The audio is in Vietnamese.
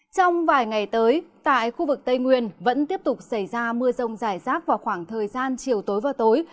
trong vài ngày tới tại khu vực tây nguyên vẫn tiếp tục xảy ra mưa rông rải rác vào khoảng thời gian chiều tối và tối